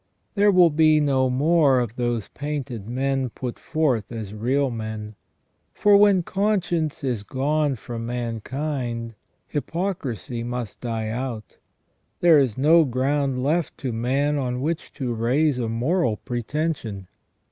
There will be no more of those painted men put forth as real men. For when conscience is gone from mankind, hypocrisy must die out. There is no ground left to man on which to raise a moral pretension.